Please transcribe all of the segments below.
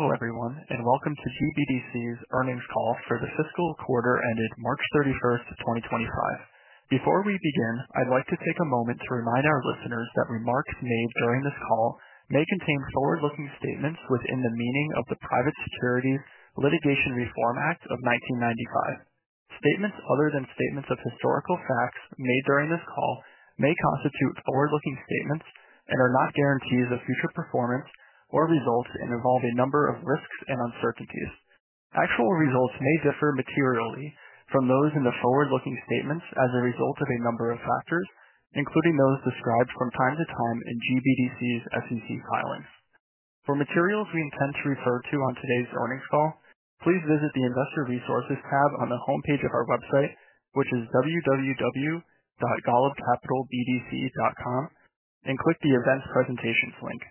Hello everyone, and welcome to GBDC's earnings call for the fiscal quarter ended March 31, 2025. Before we begin, I'd like to take a moment to remind our listeners that remarks made during this call may contain forward-looking statements within the meaning of the Private Securities Litigation Reform Act of 1995. Statements other than statements of historical facts made during this call may constitute forward-looking statements and are not guarantees of future performance or results and involve a number of risks and uncertainties. Actual results may differ materially from those in the forward-looking statements as a result of a number of factors, including those described from time to time in GBDC's SEC filings. For materials we intend to refer to on today's earnings call, please visit the Investor Resources tab on the homepage of our website, which is www.golubcapitalbdc.com, and click the Events Presentations link.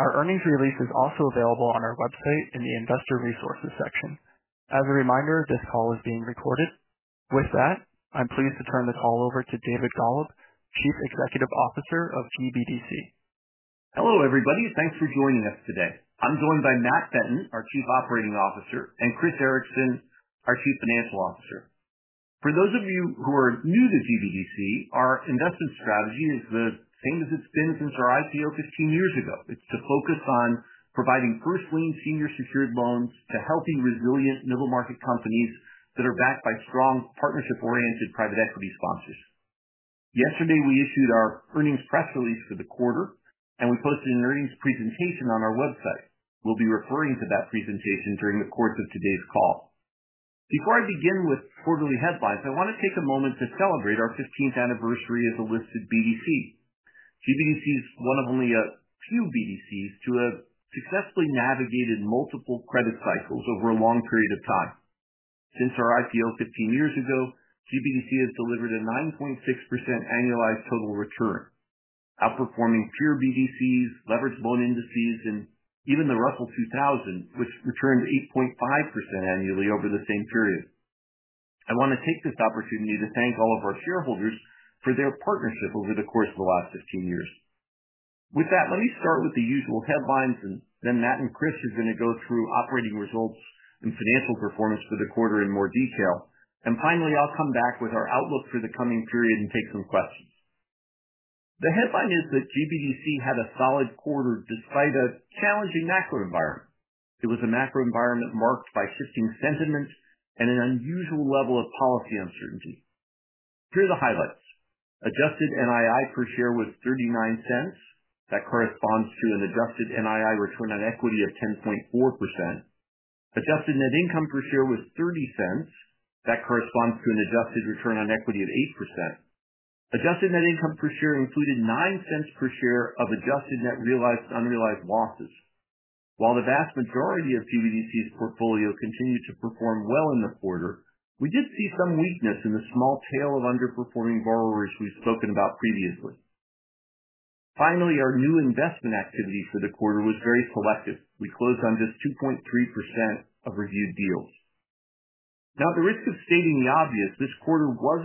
Our earnings release is also available on our website in the Investor Resources section. As a reminder, this call is being recorded. With that, I'm pleased to turn the call over to David Golub, Chief Executive Officer of GBDC. Hello everybody, thanks for joining us today. I'm joined by Matt Benton, our Chief Operating Officer, and Chris Ericson, our Chief Financial Officer. For those of you who are new to GBDC, our investment strategy is the same as it's been since our IPO 15 years ago. It's to focus on providing first-lien senior secured loans to healthy, resilient middle-market companies that are backed by strong, partnership-oriented private equity sponsors. Yesterday, we issued our earnings press release for the quarter, and we posted an earnings presentation on our website. We'll be referring to that presentation during the course of today's call. Before I begin with quarterly headlines, I want to take a moment to celebrate our 15th anniversary as a listed BDC. GBDC is one of only a few BDCs to have successfully navigated multiple credit cycles over a long period of time. Since our IPO 15 years ago, GBDC has delivered a 9.6% annualized total return, outperforming peer BDCs, leveraged loan indices, and even the Russell 2000, which returned 8.5% annually over the same period. I want to take this opportunity to thank all of our shareholders for their partnership over the course of the last 15 years. With that, let me start with the usual headlines, and then Matt and Chris are going to go through operating results and financial performance for the quarter in more detail. Finally, I'll come back with our outlook for the coming period and take some questions. The headline is that GBDC had a solid quarter despite a challenging macro environment. It was a macro environment marked by shifting sentiment and an unusual level of policy uncertainty. Here are the highlights. Adjusted NII per share was $0.39. That corresponds to an Adjusted NII return on equity of 10.4%. Adjusted net income per share was $0.30. That corresponds to an adjusted return on equity of 8%. Adjusted net income per share included $0.09 per share of adjusted net realized to unrealized losses. While the vast majority of GBDC's portfolio continued to perform well in the quarter, we did see some weakness in the small tail of underperforming borrowers we've spoken about previously. Finally, our new investment activity for the quarter was very selective. We closed on just 2.3% of reviewed deals. Now, at the risk of stating the obvious, this quarter was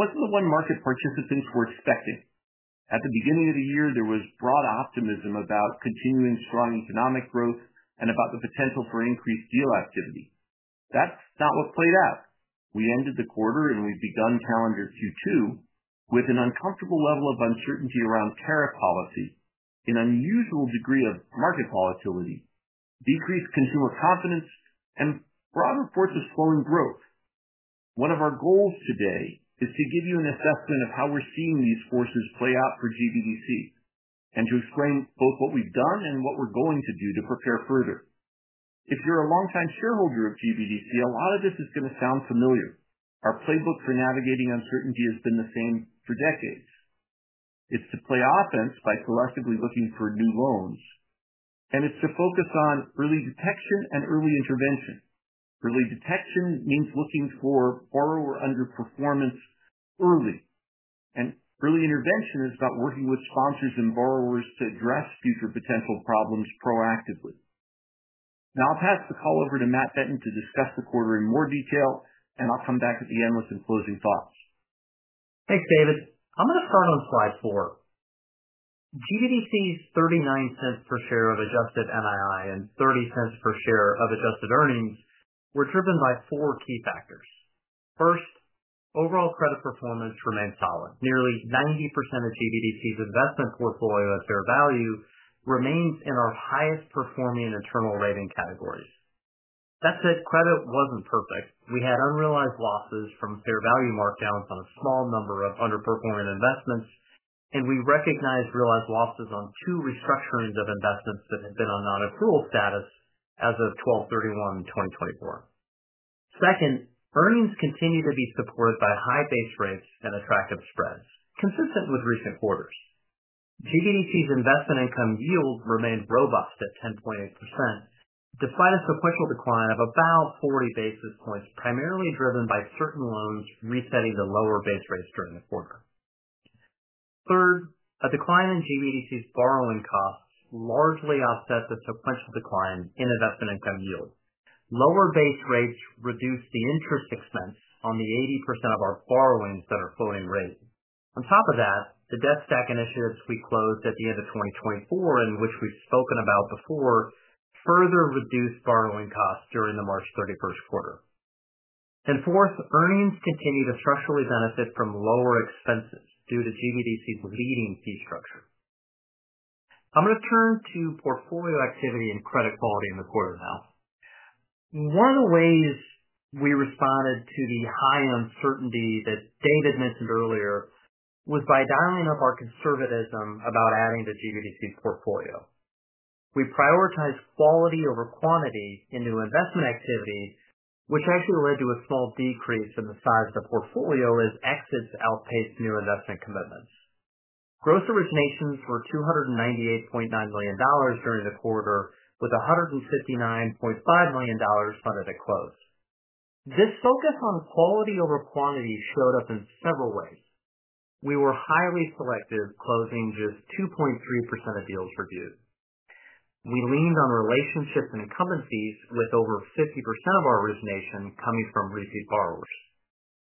not the one market participants were expecting. At the beginning of the year, there was broad optimism about continuing strong economic growth and about the potential for increased deal activity. That is not what played out. We ended the quarter, and we've begun calendar Q2 with an uncomfortable level of uncertainty around tariff policy, an unusual degree of market volatility, decreased consumer confidence, and broad reports of slowing growth. One of our goals today is to give you an assessment of how we're seeing these forces play out for GBDC and to explain both what we've done and what we're going to do to prepare further. If you're a longtime shareholder of GBDC, a lot of this is going to sound familiar. Our playbook for navigating uncertainty has been the same for decades. It's to play offense by collectively looking for new loans, and it's to focus on early detection and early intervention. Early detection means looking for borrower underperformance early, and early intervention is about working with sponsors and borrowers to address future potential problems proactively. Now, I'll pass the call over to Matt Benton to discuss the quarter in more detail, and I'll come back at the end with some closing thoughts. Thanks, David. I'm going to start on slide four. GBDC's $0.39 per share of Adjusted NII and $0.30 per share of adjusted earnings were driven by four key factors. First, overall credit performance remained solid. Nearly 90% of GBDC's investment portfolio at fair value remains in our highest performing internal rating categories. That said, credit was not perfect. We had unrealized losses from fair value markdowns on a small number of underperforming investments, and we recognized realized losses on two restructurings of investments that had been on non-accrual status as of December 31, 2024. Second, earnings continue to be supported by high base rates and attractive spreads, consistent with recent quarters. GBDC's investment income yield remained robust at 10.8% despite a sequential decline of about 40 basis points, primarily driven by certain loans resetting to lower base rates during the quarter. Third, a decline in GBDC's borrowing costs largely offsets a sequential decline in investment income yield. Lower base rates reduced the interest expense on the 80% of our borrowings that are floating rate. On top of that, the debt stack initiatives we closed at the end of 2024, and which we've spoken about before, further reduced borrowing costs during the March 31st quarter. Fourth, earnings continue to structurally benefit from lower expenses due to GBDC's leading fee structure. I'm going to turn to portfolio activity and credit quality in the quarter now. One of the ways we responded to the high uncertainty that David mentioned earlier was by dialing up our conservatism about adding to GBDC's portfolio. We prioritized quality over quantity in new investment activity, which actually led to a small decrease in the size of the portfolio as exits outpaced new investment commitments. Gross originations were $298.9 million during the quarter, with $159.5 million funded at close. This focus on quality over quantity showed up in several ways. We were highly selective, closing just 2.3% of deals reviewed. We leaned on relationships and incumbencies, with over 50% of our origination coming from repeat borrowers.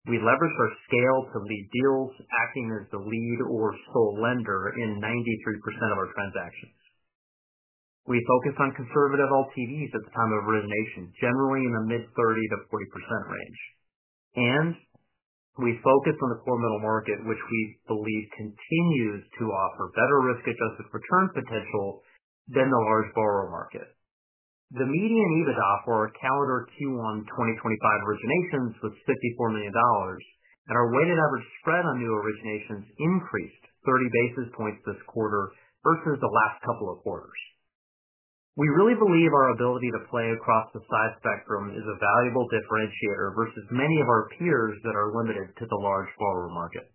We leveraged our scale to lead deals, acting as the lead or sole lender in 93% of our transactions. We focused on conservative LTVs at the time of origination, generally in the mid-30-40% range. We focused on the core middle market, which we believe continues to offer better risk-adjusted return potential than the large borrower market. The median EBITDA for our calendar Q1 2025 originations was $54 million, and our weighted average spread on new originations increased 30 basis points this quarter versus the last couple of quarters. We really believe our ability to play across the size spectrum is a valuable differentiator versus many of our peers that are limited to the large borrower market.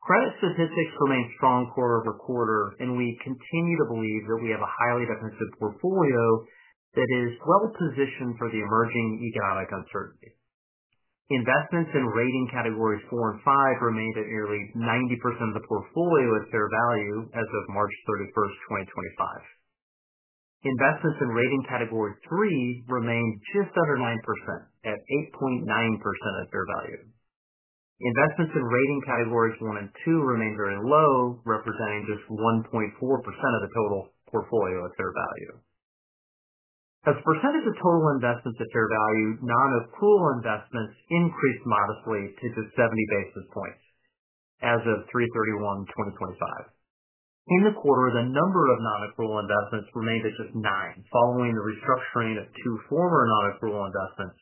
Credit statistics remained strong quarter over quarter, and we continue to believe that we have a highly defensive portfolio that is well-positioned for the emerging economic uncertainty. Investments in rating categories four and five remained at nearly 90% of the portfolio at fair value as of March 31, 2025. Investments in rating category three remained just under 9% at 8.9% of fair value. Investments in rating categories one and two remained very low, representing just 1.4% of the total portfolio at fair value. As a percentage of total investments at fair value, non-accrual investments increased modestly to just 70 basis points as of 3/31/2025. In the quarter, the number of non-accrual investments remained at just nine, following the restructuring of two former non-accrual investments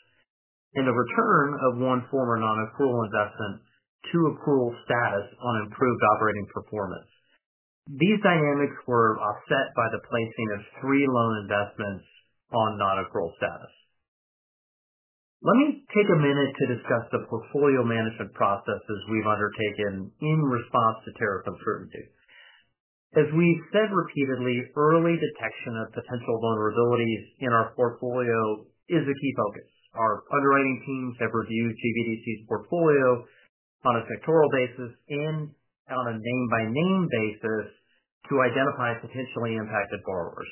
and the return of one former non-accrual investment to accrual status on improved operating performance. These dynamics were offset by the placing of three loan investments on non-accrual status. Let me take a minute to discuss the portfolio management processes we've undertaken in response to tariff uncertainty. As we've said repeatedly, early detection of potential vulnerabilities in our portfolio is a key focus. Our underwriting teams have reviewed GBDC's portfolio on a sectoral basis and on a name-by-name basis to identify potentially impacted borrowers.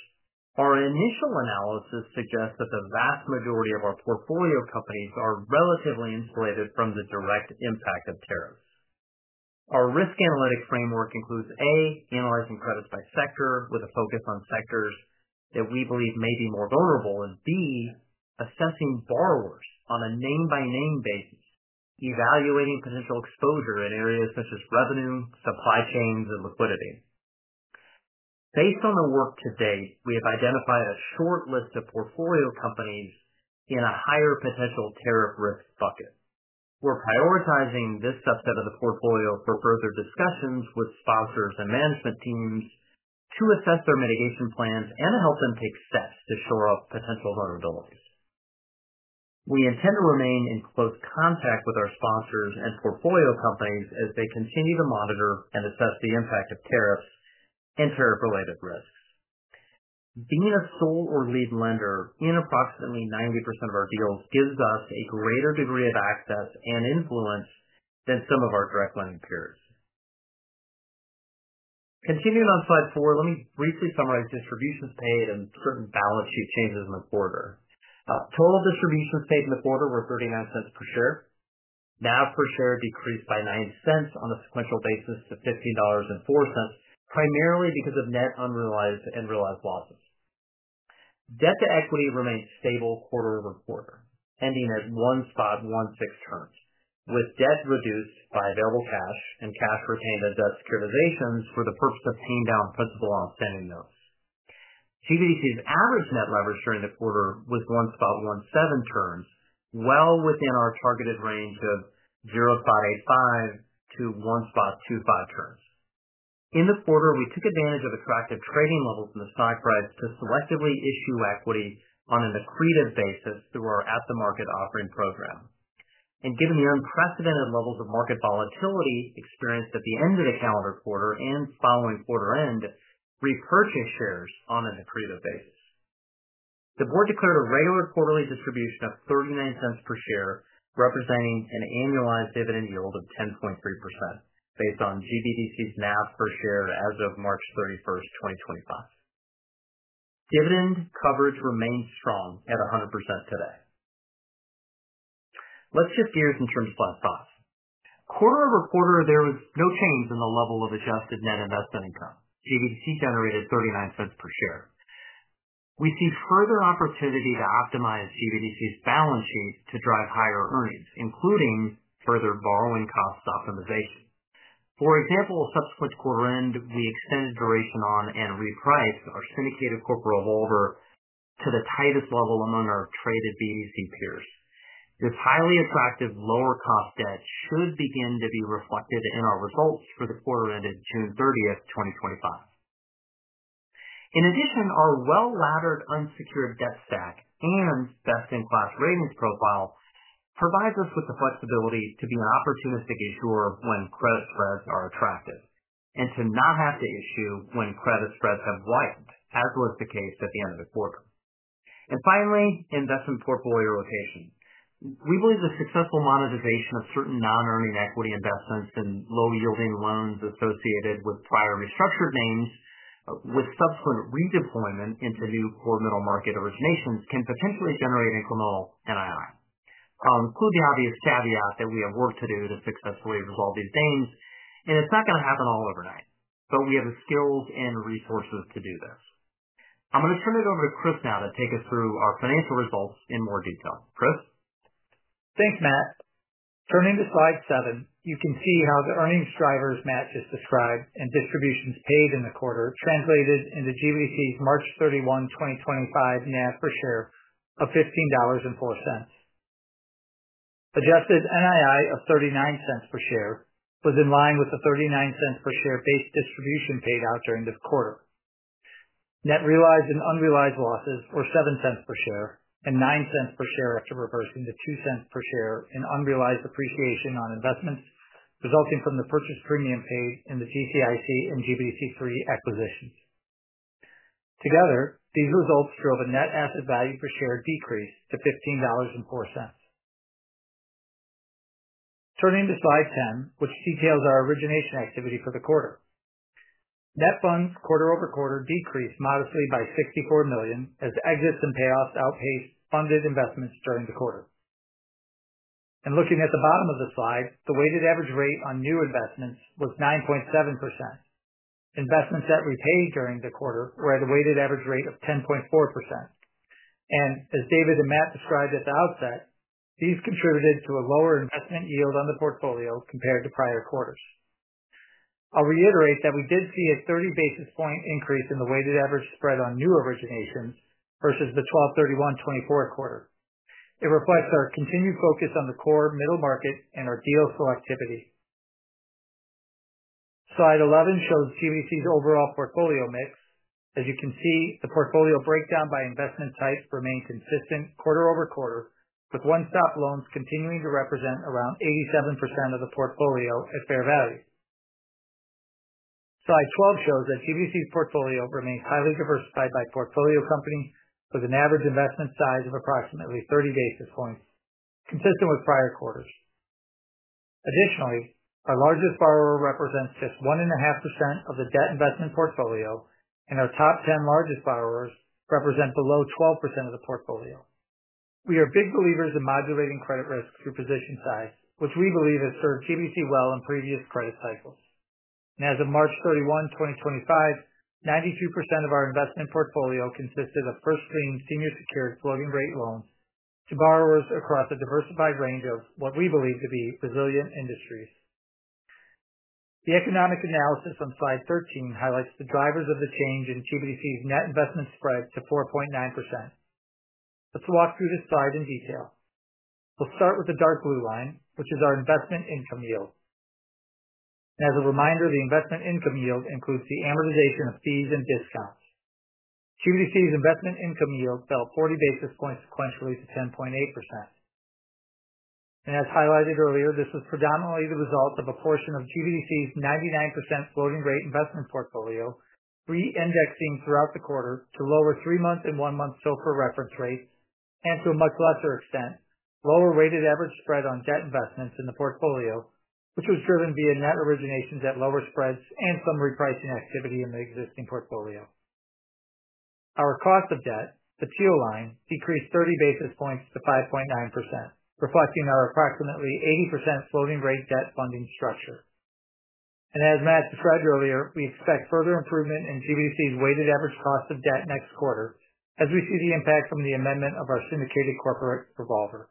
Our initial analysis suggests that the vast majority of our portfolio companies are relatively insulated from the direct impact of tariffs. Our risk analytic framework includes A, analyzing credits by sector with a focus on sectors that we believe may be more vulnerable, and B, assessing borrowers on a name-by-name basis, evaluating potential exposure in areas such as revenue, supply chains, and liquidity. Based on the work to date, we have identified a short list of portfolio companies in a higher potential tariff risk bucket. We're prioritizing this subset of the portfolio for further discussions with sponsors and management teams to assess their mitigation plans and to help them take steps to shore up potential vulnerabilities. We intend to remain in close contact with our sponsors and portfolio companies as they continue to monitor and assess the impact of tariffs and tariff-related risks. Being a sole or lead lender in approximately 90% of our deals gives us a greater degree of access and influence than some of our direct lending peers. Continuing on slide four, let me briefly summarize distributions paid and certain balance sheet changes in the quarter. Total distributions paid in the quarter were $0.39 per share. NAV per share decreased by $0.09 on a sequential basis to $15.04, primarily because of net unrealized and realized losses. Debt to equity remained stable quarter over quarter, ending at 1.16 turns, with debt reduced by available cash and cash retained as debt securitizations for the purpose of paying down principal on standing notes. GBDC's average net leverage during the quarter was 1.17 turns, well within our targeted range of 0.585-1.25 turns. In the quarter, we took advantage of attractive trading levels in the stock price to selectively issue equity on an accretive basis through our at-the-market offering program. Given the unprecedented levels of market volatility experienced at the end of the calendar quarter and following quarter end, we purchased shares on an accretive basis. The board declared a regular quarterly distribution of $0.39 per share, representing an annualized dividend yield of 10.3% based on GBDC's NAV per share as of March 31, 2025. Dividend coverage remains strong at 100% today. Let's shift gears in terms of slide five. Quarter over quarter, there was no change in the level of adjusted net investment income. GBDC generated $0.39 per share. We see further opportunity to optimize GBDC's balance sheet to drive higher earnings, including further borrowing cost optimization. For example, subsequent quarter end, we extended duration on and repriced our syndicated corporate revolver to the tightest level among our traded BDC peers. This highly attractive lower-cost debt should begin to be reflected in our results for the quarter end of June 30, 2025. In addition, our well-laddered unsecured debt stack and best-in-class ratings profile provides us with the flexibility to be an opportunistic issuer when credit spreads are attractive and to not have to issue when credit spreads have widened, as was the case at the end of the quarter. Finally, investment portfolio rotation. We believe the successful monetization of certain non-earning equity investments and low-yielding loans associated with prior restructured names with subsequent redeployment into new core middle market originations can potentially generate incremental NII. I'll include the obvious caveat that we have work to do to successfully resolve these gains, and it's not going to happen all overnight, but we have the skills and resources to do this. I'm going to turn it over to Chris now to take us through our financial results in more detail. Chris? Thanks, Matt. Turning to slide seven, you can see how the earnings drivers Matt just described and distributions paid in the quarter translated into GBDC's March 31, 2025, NAV per share of $15.04. Adjusted NII of $0.39 per share was in line with the $0.39 per share base distribution paid out during the quarter. Net realized and unrealized losses were $0.07 per share and $0.09 per share after reversing the $0.02 per share in unrealized appreciation on investments resulting from the purchase premium paid in the GCIC and GBDC3 acquisitions. Together, these results drove a net asset value per share decrease to $15.04. Turning to slide 10, which details our origination activity for the quarter. Net funds quarter over quarter decreased modestly by $64 million as exits and payoffs outpaced funded investments during the quarter. Looking at the bottom of the slide, the weighted average rate on new investments was 9.7%. Investments that repaid during the quarter were at a weighted average rate of 10.4%. As David and Matt described at the outset, these contributed to a lower investment yield on the portfolio compared to prior quarters. I'll reiterate that we did see a 30 basis point increase in the weighted average spread on new originations versus the 12/31/2024 quarter. It reflects our continued focus on the core middle market and our deal selectivity. Slide 11 shows GBDC's overall portfolio mix. As you can see, the portfolio breakdown by investment type remained consistent quarter over quarter, with one-stop loans continuing to represent around 87% of the portfolio at fair value. Slide 12 shows that GBDC's portfolio remains highly diversified by portfolio company with an average investment size of approximately 30 basis points, consistent with prior quarters. Additionally, our largest borrower represents just 1.5% of the debt investment portfolio, and our top 10 largest borrowers represent below 12% of the portfolio. We are big believers in modulating credit risk through position size, which we believe has served GBDC well in previous credit cycles. As of March 31, 2025, 92% of our investment portfolio consisted of first lien senior secured floating-rate loans to borrowers across a diversified range of what we believe to be resilient industries. The economic analysis on slide 13 highlights the drivers of the change in GBDC's net investment spread to 4.9%. Let's walk through this slide in detail. We'll start with the dark blue line, which is our investment income yield. As a reminder, the investment income yield includes the amortization of fees and discounts. GBDC's investment income yield fell 40 basis points sequentially to 10.8%. As highlighted earlier, this was predominantly the result of a portion of GBDC's 99% floating-rate investment portfolio reindexing throughout the quarter to lower three-month and one-month SOFR reference rates, and to a much lesser extent, lower weighted average spread on debt investments in the portfolio, which was driven via net originations at lower spreads and some repricing activity in the existing portfolio. Our cost of debt, the TO line, decreased 30 basis points to 5.9%, reflecting our approximately 80% floating-rate debt funding structure. As Matt described earlier, we expect further improvement in GBDC's weighted average cost of debt next quarter as we see the impact from the amendment of our syndicated corporate revolver.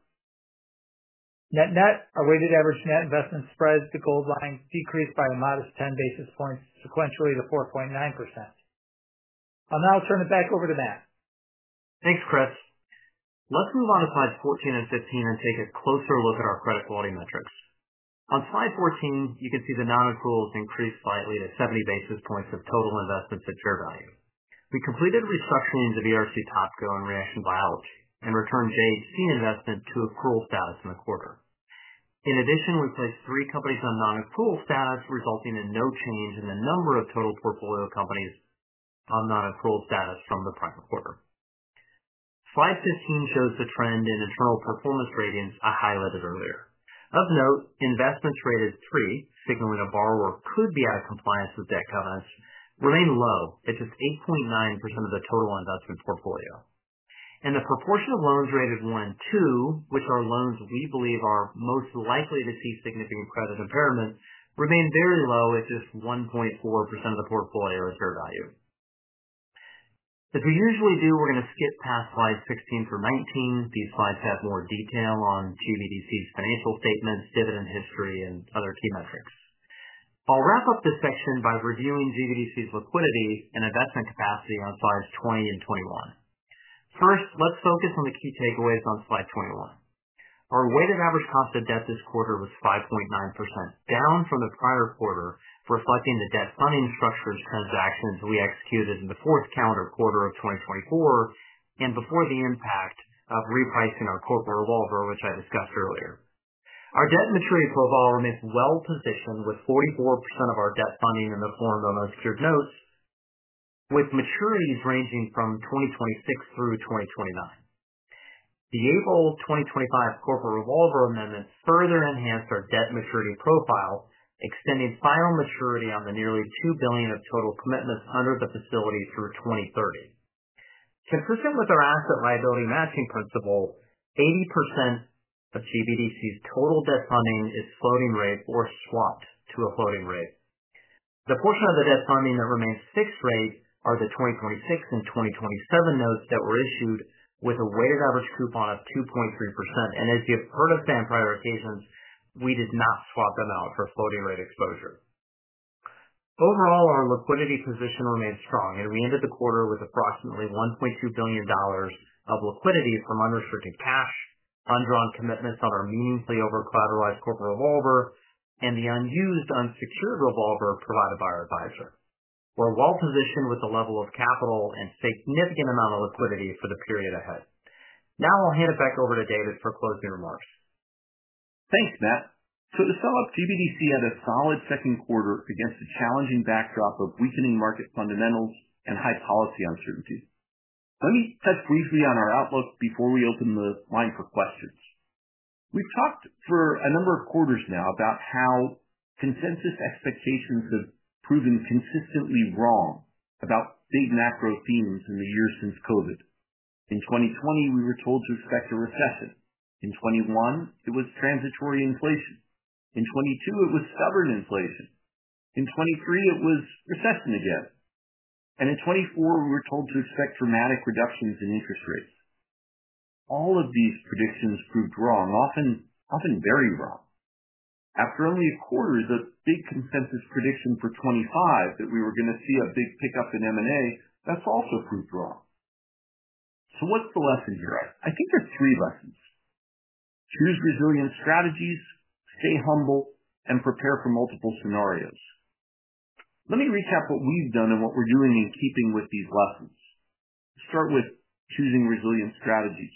Net net, our weighted average net investment spreads, the gold line, decreased by a modest 10 basis points sequentially to 4.9%. I'll now turn it back over to Matt. Thanks, Chris. Let's move on to slides 14 and 15 and take a closer look at our credit quality metrics. On slide 14, you can see the non-accruals increased slightly to 70 basis points of total investments at fair value. We completed restructuring to VRC Topco and Reaction Biology and returned JHC investment to accrual status in the quarter. In addition, we placed three companies on non-accrual status, resulting in no change in the number of total portfolio companies on non-accrual status from the prior quarter. Slide 15 shows the trend in internal performance ratings I highlighted earlier. Of note, investments rated three, signaling a borrower could be out of compliance with debt covenants, remained low at just 8.9% of the total investment portfolio. The proportion of loans rated one and two, which are loans we believe are most likely to see significant credit impairment, remained very low at just 1.4% of the portfolio at fair value. As we usually do, we're going to skip past slides 16 through 19. These slides have more detail on GBDC's financial statements, dividend history, and other key metrics. I'll wrap up this section by reviewing GBDC's liquidity and investment capacity on slides 20 and 21. First, let's focus on the key takeaways on slide 21. Our weighted average cost of debt this quarter was 5.9%, down from the prior quarter, reflecting the debt funding structure's transactions we executed in the fourth calendar quarter of 2024 and before the impact of repricing our corporate revolver, which I discussed earlier. Our debt maturity profile remains well-positioned with 44% of our debt funding in the form of unsecured notes, with maturities ranging from 2026-2029. The April 2025 corporate revolver amendment further enhanced our debt maturity profile, extending final maturity on the nearly $2 billion of total commitments under the facility through 2030. Consistent with our asset liability matching principle, 80% of GBDC's total debt funding is floating rate or swapped to a floating rate. The portion of the debt funding that remains fixed rate are the 2026 and 2027 notes that were issued with a weighted average coupon of 2.3%. As you've heard us say on prior occasions, we did not swap them out for floating rate exposure. Overall, our liquidity position remains strong, and we ended the quarter with approximately $1.2 billion of liquidity from unrestricted cash, undrawn commitments on our meaningfully over-collateralized corporate revolver, and the unused, unsecured revolver provided by our advisor. We're well-positioned with the level of capital and significant amount of liquidity for the period ahead. Now I'll hand it back over to David for closing remarks. Thanks, Matt. To sum up, GBDC had a solid second quarter against a challenging backdrop of weakening market fundamentals and high policy uncertainty. Let me touch briefly on our outlook before we open the line for questions. We've talked for a number of quarters now about how consensus expectations have proven consistently wrong about big macro themes in the years since COVID. In 2020, we were told to expect a recession. In 2021, it was transitory inflation. In 2022, it was stubborn inflation. In 2023, it was recession again. In 2024, we were told to expect dramatic reductions in interest rates. All of these predictions proved wrong, often very wrong. After only a quarter, the big consensus prediction for 2025 that we were going to see a big pickup in M&A, that's also proved wrong. What's the lesson here? I think there are three lessons. Choose resilient strategies, stay humble, and prepare for multiple scenarios. Let me recap what we've done and what we're doing in keeping with these lessons. Let's start with choosing resilient strategies.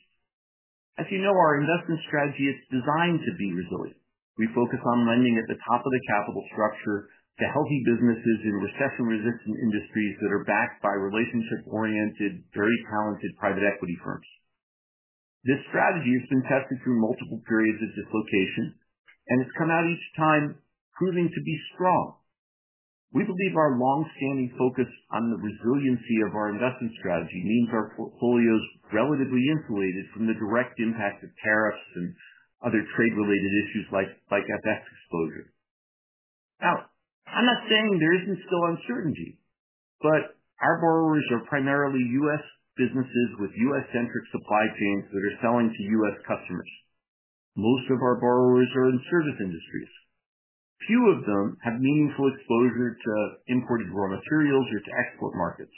As you know, our investment strategy is designed to be resilient. We focus on lending at the top of the capital structure to healthy businesses in recession-resistant industries that are backed by relationship-oriented, very talented private equity firms. This strategy has been tested through multiple periods of dislocation, and it's come out each time proving to be strong. We believe our long-standing focus on the resiliency of our investment strategy means our portfolios are relatively insulated from the direct impact of tariffs and other trade-related issues like FX exposure. Now, I'm not saying there isn't still uncertainty, but our borrowers are primarily U.S. businesses with U.S.-centric supply chains that are selling to U.S. customers. Most of our borrowers are in service industries. Few of them have meaningful exposure to imported raw materials or to export markets.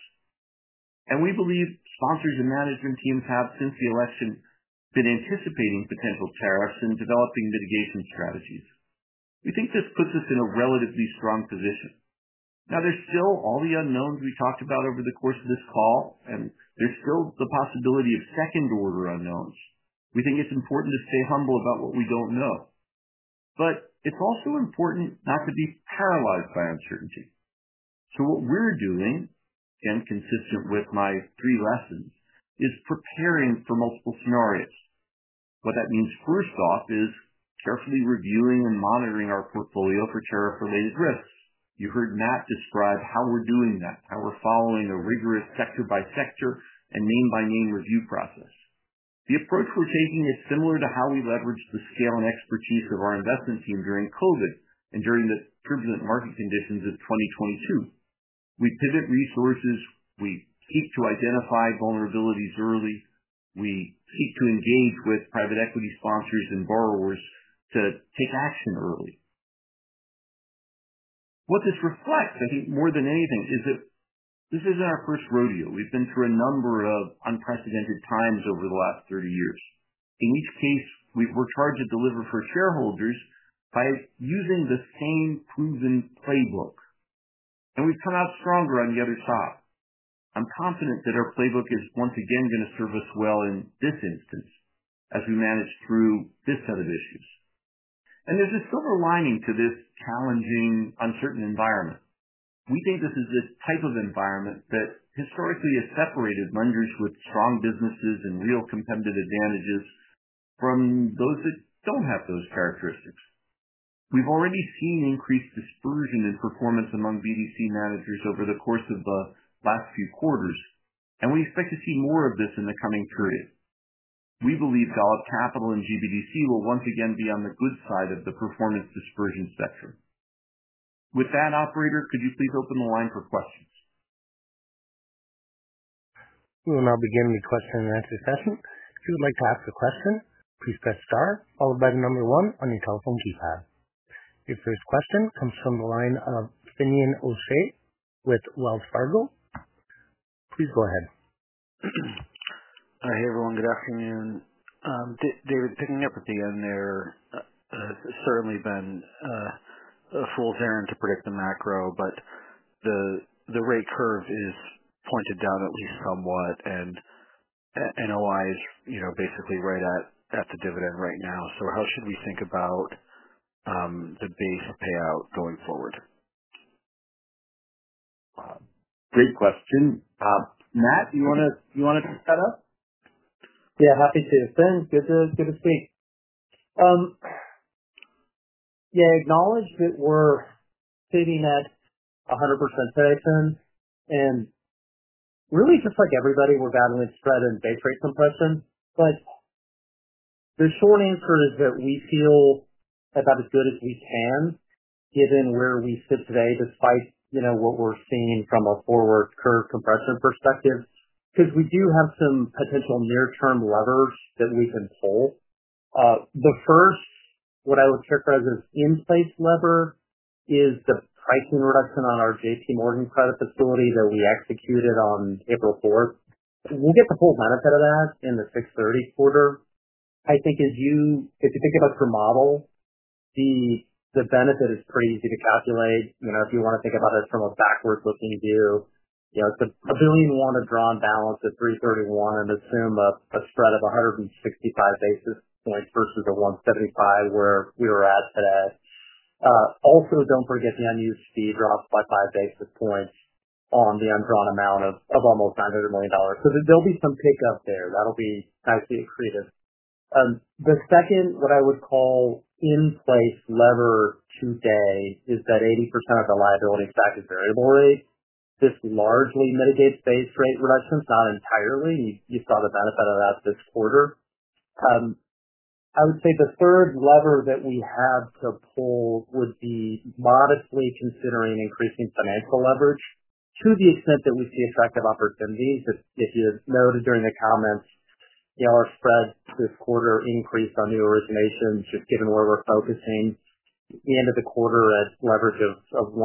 We believe sponsors and management teams have, since the election, been anticipating potential tariffs and developing mitigation strategies. We think this puts us in a relatively strong position. Now, there's still all the unknowns we talked about over the course of this call, and there's still the possibility of second-order unknowns. We think it's important to stay humble about what we don't know. It's also important not to be paralyzed by uncertainty. What we're doing, and consistent with my three lessons, is preparing for multiple scenarios. What that means, first off, is carefully reviewing and monitoring our portfolio for tariff-related risks. You heard Matt describe how we're doing that, how we're following a rigorous sector-by-sector and name-by-name review process. The approach we're taking is similar to how we leveraged the scale and expertise of our investment team during COVID and during the turbulent market conditions of 2022. We pivot resources, we seek to identify vulnerabilities early, we seek to engage with private equity sponsors and borrowers to take action early. What this reflects, I think more than anything, is that this isn't our first rodeo. We've been through a number of unprecedented times over the last 30 years. In each case, we were charged to deliver for shareholders by using the same proven playbook. We have come out stronger on the other side. I'm confident that our playbook is once again going to serve us well in this instance as we manage through this set of issues. There is a silver lining to this challenging, uncertain environment. We think this is the type of environment that historically has separated lenders with strong businesses and real competitive advantages from those that do not have those characteristics. We have already seen increased dispersion in performance among BDC managers over the course of the last few quarters, and we expect to see more of this in the coming period. We believe Golub Capital and GBDC will once again be on the good side of the performance dispersion spectrum. With that, Operator, could you please open the line for questions? We will now begin the question and answer session. If you would like to ask a question, please press star, followed by the number one on your telephone keypad. If there's a question, it comes from the line of Finian O'Shea with Wells Fargo. Please go ahead. Hi, everyone. Good afternoon. David, picking up at the end there, it's certainly been a fool's errand to predict the macro, but the rate curve is pointed down at least somewhat, and OI is basically right at the dividend right now. How should we think about the base payout going forward? Great question. Matt, do you want to take that up? Yeah, happy to. Thanks. Good to speak. Yeah, acknowledge that we're sitting at 100% today, Fin. Really, just like everybody, we're battling spread and base rate compression. The short answer is that we feel about as good as we can given where we sit today, despite what we're seeing from a forward curve compression perspective, because we do have some potential near-term levers that we can pull. The first, what I would characterize as in-place lever, is the pricing reduction on our JPMorgan credit facility that we executed on April 4. We'll get the full benefit of that in the 6/30 quarter. I think if you think about your model, the benefit is pretty easy to calculate. If you want to think about it from a backward-looking view, it's a $1 billion wanted drawn balance at 3/31 and assume a spread of 165 basis points versus a 175 where we were at today. Also, don't forget the unused fee dropped by five basis points on the undrawn amount of almost $900 million. So there'll be some pickup there. That'll be nicely accretive. The second, what I would call in-place lever today, is that 80% of the liability stack is variable rate. This largely mitigates base rate reductions, not entirely. You saw the benefit of that this quarter. I would say the third lever that we have to pull would be modestly considering increasing financial leverage to the extent that we see attractive opportunities. If you noted during the comments, our spread this quarter increased on new originations, just given where we're focusing. The end of the quarter at leverage of 1.16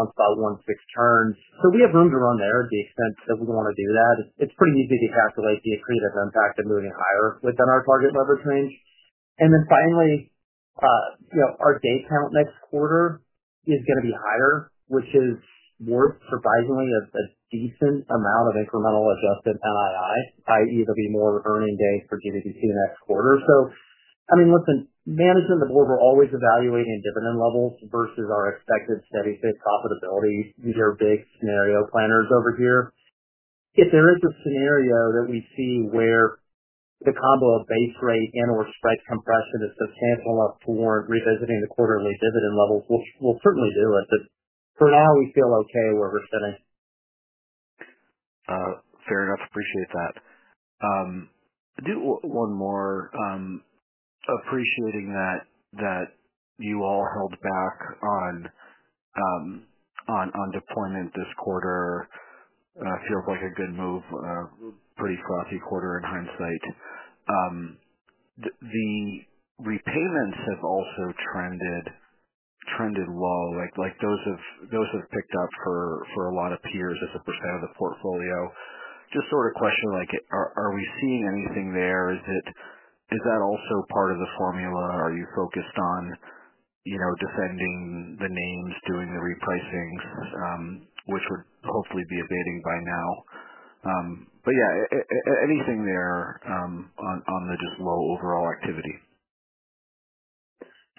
turns. So we have room to run there to the extent that we want to do that. It's pretty easy to calculate the accretive impact of moving higher within our target leverage range. And then finally, our day count next quarter is going to be higher, which is worth surprisingly a decent amount of incremental Adjusted NII, i.e., there'll be more earning days for GBDC next quarter. So, I mean, listen, management and the board were always evaluating dividend levels versus our expected steady-state profitability. These are big scenario planners over here. If there is a scenario that we see where the combo of base rate and/or spread compression is substantial enough to warrant revisiting the quarterly dividend levels, we'll certainly do it. But for now, we feel okay where we're sitting. Fair enough. Appreciate that. I do want one more. Appreciating that you all held back on deployment this quarter feels like a good move. Pretty frothy quarter in hindsight. The repayments have also trended low. Those have picked up for a lot of peers as a percent of the portfolio. Just sort of question, are we seeing anything there? Is that also part of the formula? Are you focused on defending the names, doing the repricings, which would hopefully be abating by now? Yeah, anything there on the just low overall activity?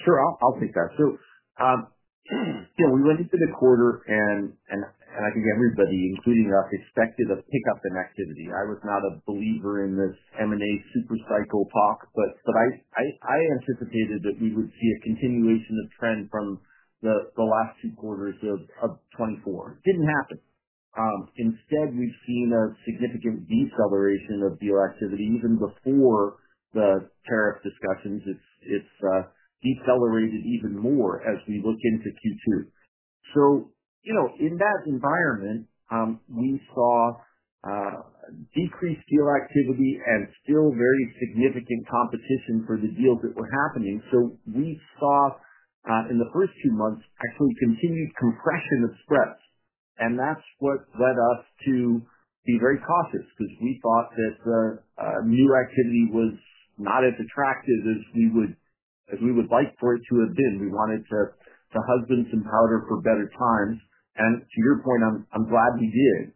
Sure. I'll take that. We went into the quarter, and I think everybody, including us, expected a pickup in activity. I was not a believer in this M&A supercycle talk, but I anticipated that we would see a continuation of trend from the last two quarters of 2024. It did not happen. Instead, we have seen a significant deceleration of deal activity. Even before the tariff discussions, it has decelerated even more as we look into Q2. In that environment, we saw decreased deal activity and still very significant competition for the deals that were happening. We saw, in the first two months, actually continued compression of spreads. That is what led us to be very cautious because we thought that the new activity was not as attractive as we would like for it to have been. We wanted to hustle and powder for better times. To your point, I'm glad we did.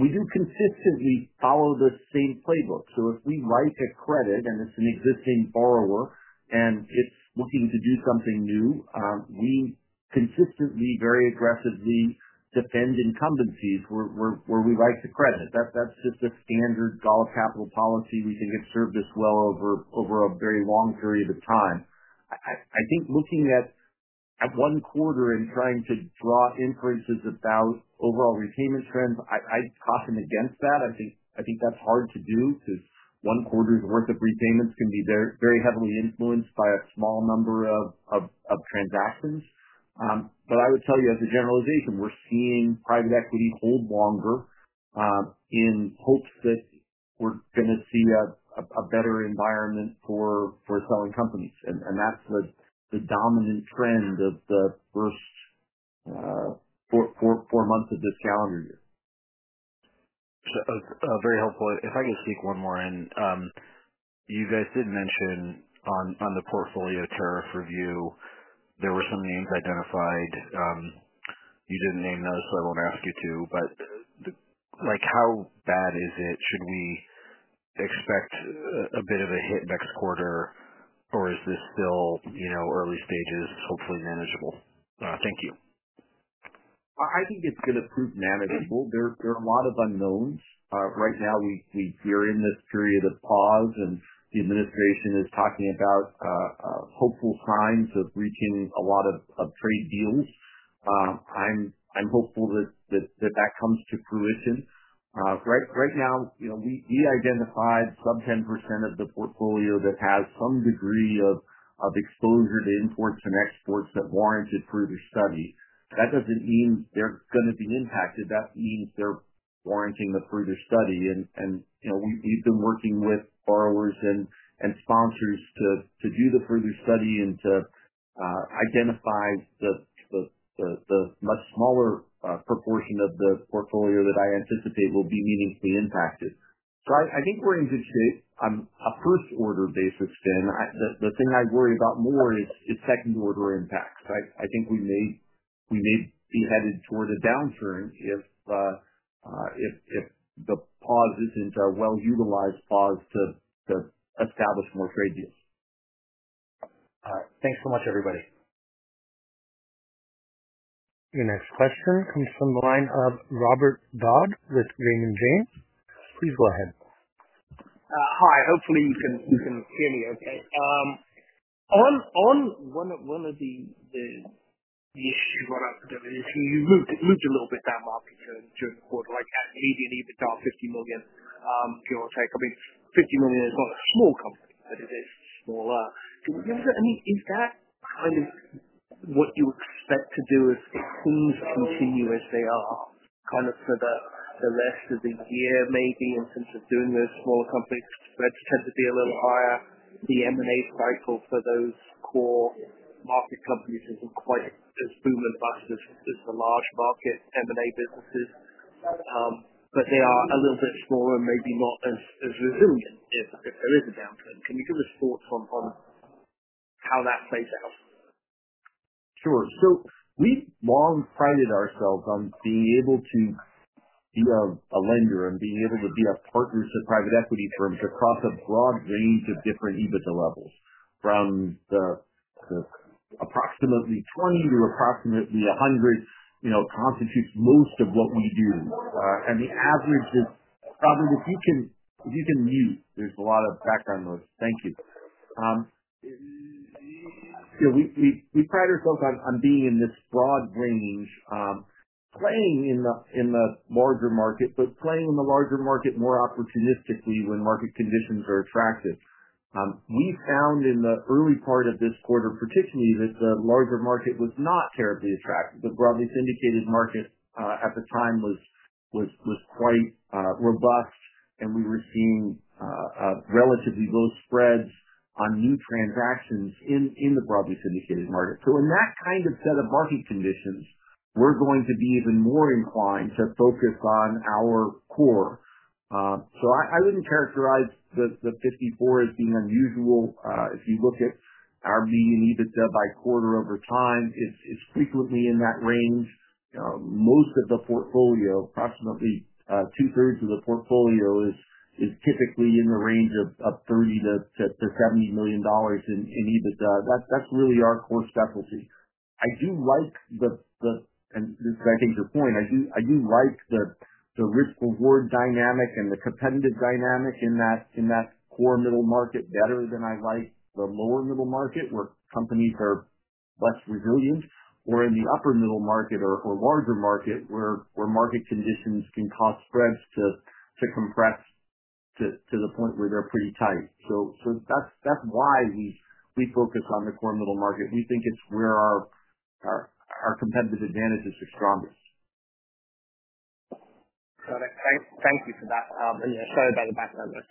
We do consistently follow the same playbook. If we write a credit and it's an existing borrower and it's looking to do something new, we consistently, very aggressively defend incumbencies where we write the credit. That's just a standard Golub Capital policy. We think it's served us well over a very long period of time. I think looking at one quarter and trying to draw inferences about overall repayment trends, I'd caution against that. I think that's hard to do because one quarter's worth of repayments can be very heavily influenced by a small number of transactions. I would tell you, as a generalization, we're seeing private equity hold longer in hopes that we're going to see a better environment for selling companies. That's the dominant trend of the first four months of this calendar year. Very helpful. If I could sneak one more in. You guys did mention on the portfolio tariff review, there were some names identified. You did not name those, so I will not ask you to. How bad is it? Should we expect a bit of a hit next quarter, or is this still early stages, hopefully manageable? Thank you. I think it's going to prove manageable. There are a lot of unknowns. Right now, we're in this period of pause, and the administration is talking about hopeful signs of reaching a lot of trade deals. I'm hopeful that that comes to fruition. Right now, we identified sub-10% of the portfolio that has some degree of exposure to imports and exports that warranted further study. That doesn't mean they're going to be impacted. That means they're warranting the further study. We've been working with borrowers and sponsors to do the further study and to identify the much smaller proportion of the portfolio that I anticipate will be meaningfully impacted. I think we're in good shape. A first-order basis, Fin. The thing I worry about more is second-order impacts. I think we may be headed toward a downturn if the pause isn't a well-utilized pause to establish more trade deals. Thanks so much, everybody. Your next question comes from the line of Robert Dodd with Raymond James. Please go ahead. Hi. Hopefully, you can hear me okay. On one of the issues you brought up, David, is you moved a little bit that market during the quarter, like maybe an even top $50 million. Pure Tech. I mean, $50 million is not a small company, but it is smaller. I mean, is that kind of what you expect to do as things continue as they are kind of for the rest of the year, maybe, in terms of doing those smaller companies? Spreads tend to be a little higher. The M&A cycle for those core market companies is not quite as boom and bust as the large market M&A businesses, but they are a little bit smaller and maybe not as resilient if there is a downturn. Can you give us thoughts on how that plays out? Sure. We have long prided ourselves on being able to be a lender and being able to be a partner to private equity firms across a broad range of different EBITDA levels, from approximately $20 million to approximately $100 million, which constitutes most of what we do. The average is, Robert, if you can mute, there is a lot of background noise. Thank you. We pride ourselves on being in this broad range, playing in the larger market, but playing in the larger market more opportunistically when market conditions are attractive. We found in the early part of this quarter, particularly, that the larger market was not terribly attractive. The broadly syndicated market at the time was quite robust, and we were seeing relatively low spreads on new transactions in the broadly syndicated market. In that kind of set of market conditions, we're going to be even more inclined to focus on our core. I wouldn't characterize the 54 as being unusual. If you look at our median EBITDA by quarter over time, it's frequently in that range. Most of the portfolio, approximately two-thirds of the portfolio, is typically in the range of $30 million-$70 million in EBITDA. That's really our core specialty. I do like the—and this is, I think, your point—I do like the risk-reward dynamic and the competitive dynamic in that core middle market better than I like the lower middle market, where companies are less resilient, or in the upper middle market or larger market, where market conditions can cause spreads to compress to the point where they're pretty tight. That's why we focus on the core middle market. We think it's where our competitive advantages are strongest. Got it. Thank you for that. I'm sorry about the background noise.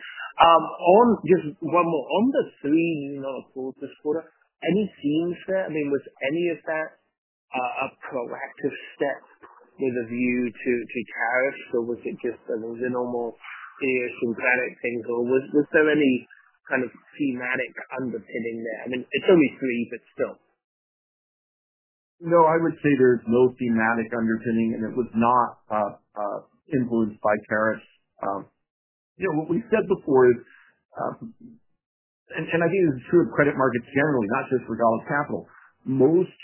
Just one more. On the three you noted for this quarter, any themes there? I mean, was any of that a proactive step with a view to tariffs, or was it just the normal idiosyncratic things, or was there any kind of thematic underpinning there? I mean, it's only three, but still. No, I would say there's no thematic underpinning, and it was not influenced by tariffs. What we've said before is—and I think this is true of credit markets generally, not just for Golub Capital—most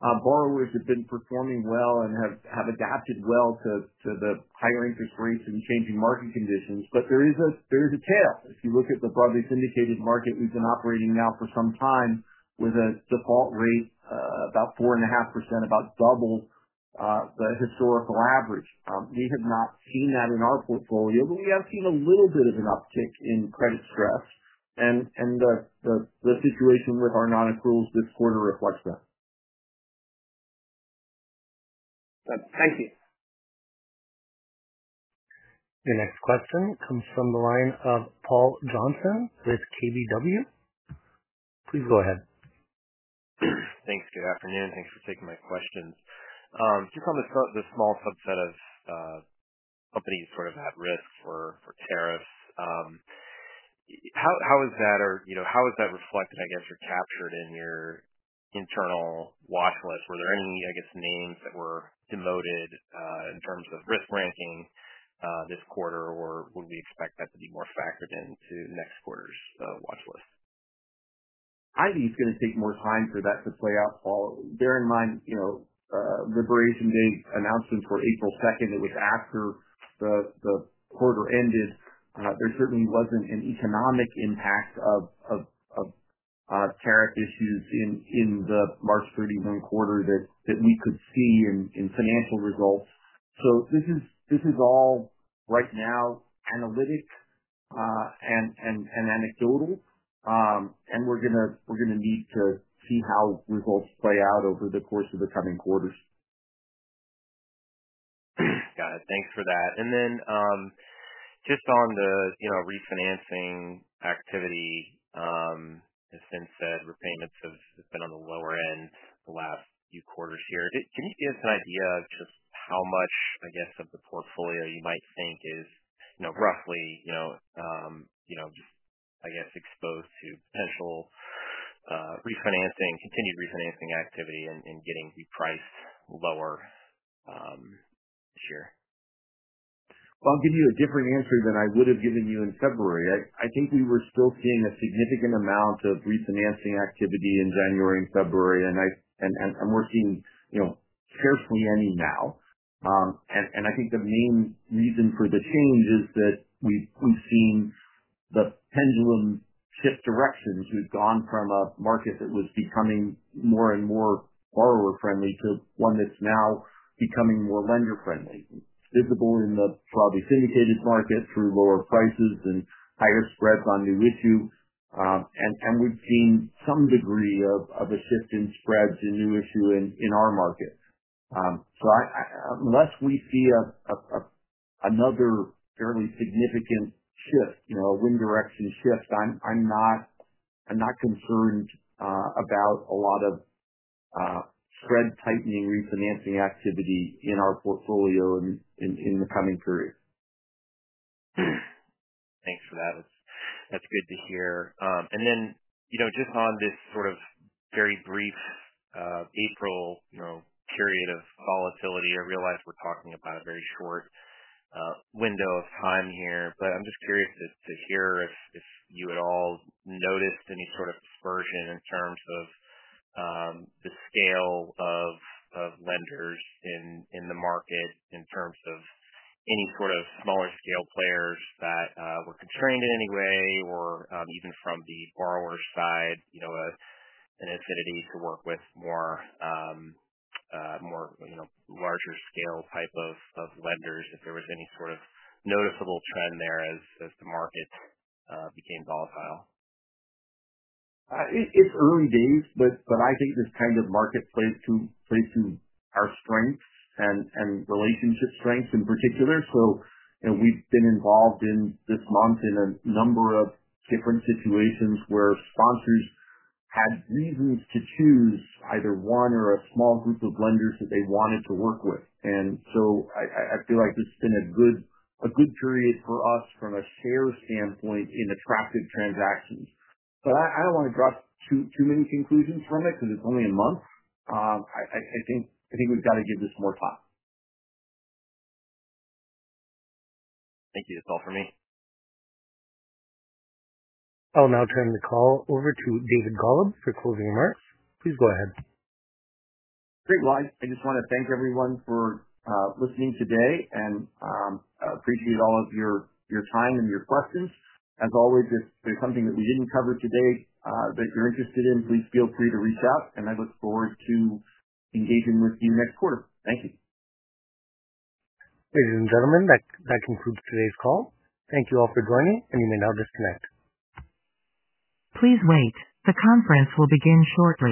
borrowers have been performing well and have adapted well to the higher interest rates and changing market conditions, but there is a tail. If you look at the broadly syndicated market, we've been operating now for some time with a default rate about 4.5%, about double the historical average. We have not seen that in our portfolio, but we have seen a little bit of an uptick in credit stress, and the situation with our non-accruals this quarter reflects that. Thank you. Your next question comes from the line of Paul Johnson with KBW. Please go ahead. Thanks. Good afternoon. Thanks for taking my questions. Just on the small subset of companies sort of at risk for tariffs, how is that, or how is that reflected, I guess, or captured in your internal watchlist? Were there any, I guess, names that were demoted in terms of risk ranking this quarter, or would we expect that to be more factored into next quarter's watchlist? I think it's going to take more time for that to play out. Bear in mind Liberation Day announcement for April 2nd. It was after the quarter ended. There certainly wasn't an economic impact of tariff issues in the March 31 quarter that we could see in financial results. This is all right now analytic and anecdotal, and we're going to need to see how results play out over the course of the coming quarters. Got it. Thanks for that. Then just on the refinancing activity, as Fin said, repayments have been on the lower end the last few quarters here. Can you give us an idea of just how much, I guess, of the portfolio you might think is roughly just, I guess, exposed to potential continued refinancing activity and getting repriced lower this year? I'll give you a different answer than I would have given you in February. I think we were still seeing a significant amount of refinancing activity in January and February, and we're seeing scarcely any now. I think the main reason for the change is that we've seen the pendulum shift directions. We've gone from a market that was becoming more and more borrower-friendly to one that's now becoming more lender-friendly. It's visible in the broadly syndicated market through lower prices and higher spreads on new issue. We've seen some degree of a shift in spreads in new issue in our market. Unless we see another fairly significant shift, a wind direction shift, I'm not concerned about a lot of spread-tightening refinancing activity in our portfolio in the coming period. Thanks for that. That's good to hear. Just on this sort of very brief April period of volatility, I realize we're talking about a very short window of time here, but I'm just curious to hear if you at all noticed any sort of dispersion in terms of the scale of lenders in the market, in terms of any sort of smaller-scale players that were constrained in any way, or even from the borrower side, an affinity to work with more larger-scale type of lenders, if there was any sort of noticeable trend there as the market became volatile? It's early days, but I think this kind of market plays to our strengths and relationship strengths in particular. We've been involved this month in a number of different situations where sponsors had reasons to choose either one or a small group of lenders that they wanted to work with. I feel like this has been a good period for us from a share standpoint in attractive transactions. I do not want to draw too many conclusions from it because it's only a month. I think we've got to give this more time. Thank you. That's all for me. I'll now turn the call over to David Golub for closing remarks. Please go ahead. Great. I just want to thank everyone for listening today and appreciate all of your time and your questions. As always, if there's something that we didn't cover today that you're interested in, please feel free to reach out, and I look forward to engaging with you next quarter. Thank you. Ladies and gentlemen, that concludes today's call. Thank you all for joining, and you may now disconnect. Please wait. The conference will begin shortly.